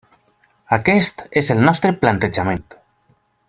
Aquest és el nostre plantejament.